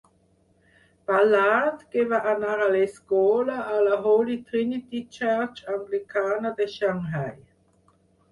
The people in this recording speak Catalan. Ballard, que va anar a l'escola a la Holy Trinity Church anglicana de Xangai.